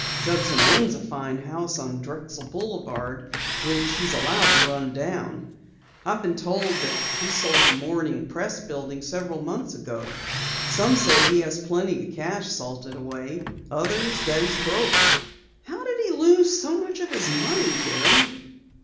Judson owns a fine home on Drexell Boulevard which he's allowed to run down. I've been told he sold the Morning Press building several months ago. Some say he has plenty of cash salted away, others that he's broke." "How did he lose so much of his money, Jerry?"